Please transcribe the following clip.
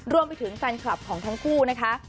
รวมไปถึงแฟนคลับของทั้งคู่นะคะ